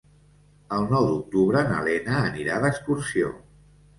El nou d'octubre na Lena anirà d'excursió.